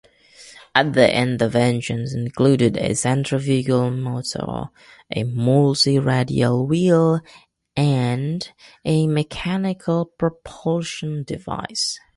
Other inventions included a centrifugal motor, a multi-radial wheel and a mechanical propulsion device.